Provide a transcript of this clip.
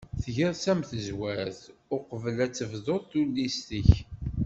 Tgiḍ-tt am tezwart uqbel ad tebduḍ tullist-ik.